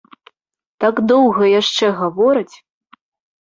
Так доўга яшчэ гавораць.